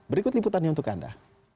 berikut liputannya untuk anda